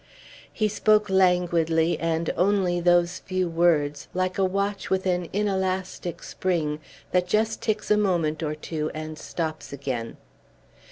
He spoke languidly, and only those few words, like a watch with an inelastic spring, that just ticks a moment or two and stops again.